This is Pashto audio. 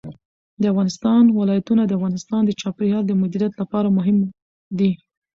د افغانستان ولايتونه د افغانستان د چاپیریال د مدیریت لپاره مهم دي.